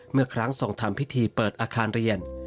เมื่อครั้งทรงทำพิธีเปิดอาคารเรียน